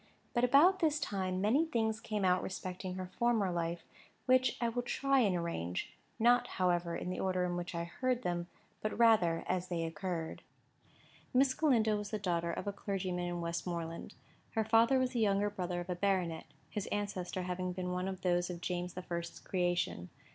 But about this time many things came out respecting her former life, which I will try and arrange: not however, in the order in which I heard them, but rather as they occurred. Miss Galindo was the daughter of a clergyman in Westmoreland. Her father was the younger brother of a baronet, his ancestor having been one of those of James the First's creation.